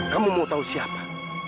kamu mau tahu siapa